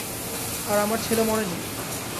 আর আমার ছেলে মরেনি।